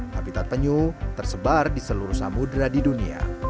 habitat penyu tersebar di seluruh samudera di dunia